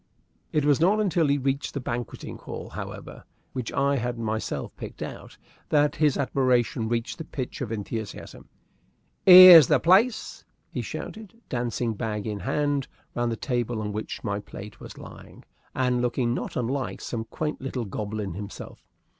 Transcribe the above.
It was not until he reached the banqueting hall, however, which I had myself picked out, that his admiration reached the pitch of enthusiasm. "'Ere's the place!" he shouted, dancing, bag in hand, round the table on which my plate was lying, and looking not unlike some quaint little goblin himself.